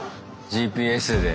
ＧＰＳで。